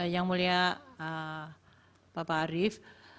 yang mulia bapak arief